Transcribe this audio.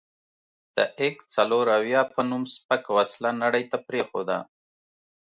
د اک څلوراویا په نوم سپکه وسله نړۍ ته پرېښوده.